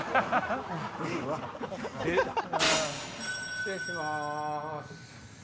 失礼します。